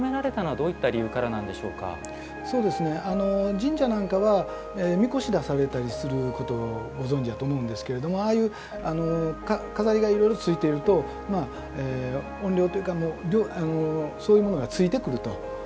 神社なんかは神輿出されたりすることご存じやと思うんですけれどもああいう錺がいろいろついているとまあ怨霊というかそういうものがついてくると悪霊というものが。